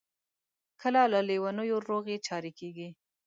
کله له لېونیو روغې چارې کیږي.